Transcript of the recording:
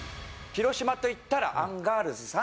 広島といったらアンガールズさんって。